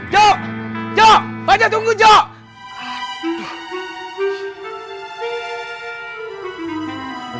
ya ya banyak tunggu jauh